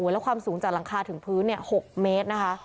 แล้วความสูงจากหลังคาถึงพื้น๖เมตรนะคะ